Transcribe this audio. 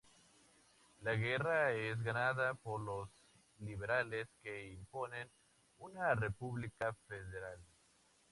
La guerra es ganada por los liberales que imponen una república federal.